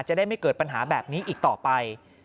จะได้ไม่เกิดปัญหาแบบนี้อีกต่อไป